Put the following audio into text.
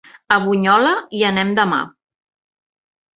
A Bunyola hi anem demà.